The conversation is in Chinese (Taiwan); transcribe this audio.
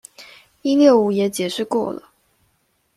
一六五也解釋過了